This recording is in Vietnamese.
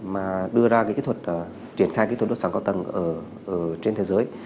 mà đưa ra cái kỹ thuật chuyển khai kỹ thuật đốt sóng con tầng ở trên thế giới